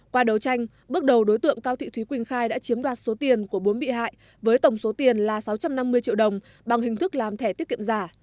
qua đấu tranh bước đầu đối tượng cao thị thúy quỳnh khai đã chiếm đoạt số tiền của bốn bị hại với tổng số tiền là sáu trăm năm mươi triệu đồng bằng hình thức làm thẻ tiết kiệm giả